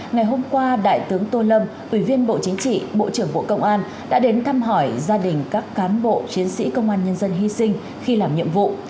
ngày hôm qua đại tướng tô lâm ủy viên bộ chính trị bộ trưởng bộ công an đã đến thăm hỏi gia đình các cán bộ chiến sĩ công an nhân dân hy sinh khi làm nhiệm vụ